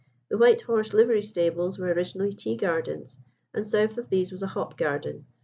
The White Horse livery stables were originally tea gardens, and south of these was a hop garden.